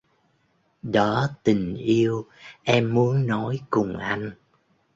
Đó tình yêu em muốn nói cùng anh